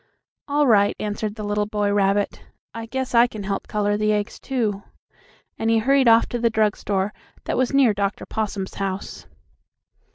"All right," answered the little boy rabbit. "I guess I can help color the eggs, too," and he hurried off to the drug store, that was near Dr. Possum's house.